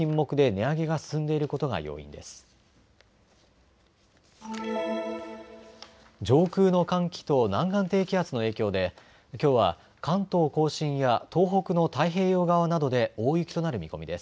上空の寒気と南岸低気圧の影響できょうは関東甲信や東北の太平洋側などで大雪となる見込みです。